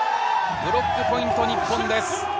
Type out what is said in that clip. ブロックポイント、日本です。